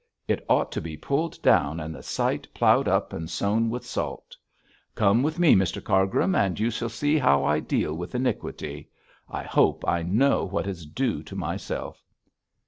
It ought to be pulled down and the site ploughed up and sown with salt. Come with me, Mr Cargrim, and you shall see how I deal with iniquity. I hope I know what is due to myself.'